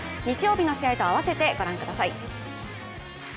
日曜日の試合と合わせて御覧ください。